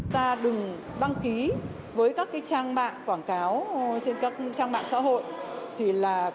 ta đừng đăng ký với các trang mạng quảng cáo trên các trang mạng xã hội